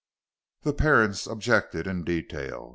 The parents objected in detail.